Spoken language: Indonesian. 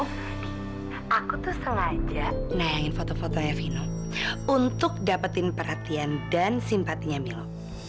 aku tuh sengaja nayangin foto fotonya vino untuk dapetin perhatian dan simpatinya milo